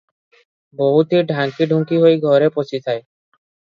ବୋହୂଟି ଢାଙ୍କିଢୁଙ୍କି ହୋଇ ଘରେ ପଶିଥାଏ ।